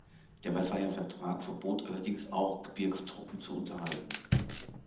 Der Versailler Vertrag verbot allerdings auch, Gebirgstruppen zu unterhalten.